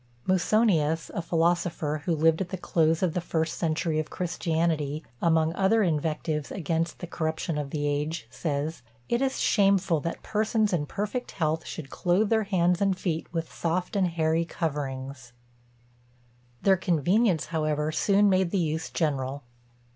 Musonius, a philosopher, who lived at the close of the first century of Christianity, among other invectives against the corruption of the age, says, It is shameful that persons in perfect health should clothe their hands and feet with soft and hairy coverings. Their convenience, however, soon made the use general.